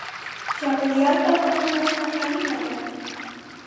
چاپېریال ته پاملرنه اړینه ده.